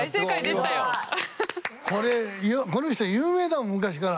すごい！これこの人有名だもん昔から。